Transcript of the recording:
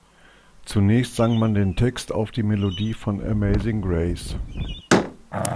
Zunächst sang man den Text auf die Melodie von "Amazing Grace".